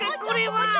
これは。